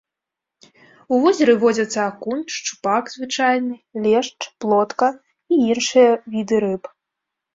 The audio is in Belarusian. У возеры водзяцца акунь, шчупак звычайны, лешч, плотка і іншыя віды рыб.